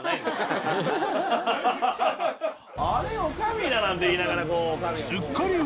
「あれ？女将」だなんて言いながら女将がこう。